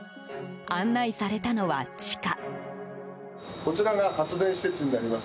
案内されたのは地下。